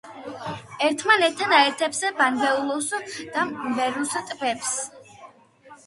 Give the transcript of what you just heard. ერთმანეთთან აერთებს ბანგვეულუს და მვერუს ტბებს.